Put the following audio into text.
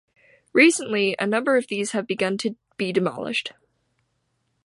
Recently, a number of these have begun to be demolished.